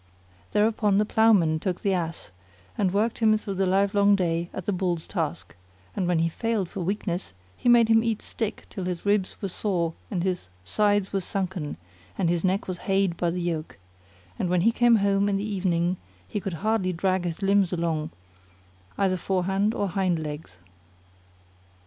Thereupon the ploughman took the Ass, and worked him through the livelong day at the Bull's task; and, when he failed for weakness, he made him eat stick till his ribs were sore and his sides were sunken and his neck was flayed by the yoke; and when he came home in the evening he could hardly drag his limbs along, either forehand or hind legs.